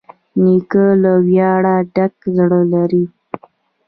نیکه له ویاړه ډک زړه لري.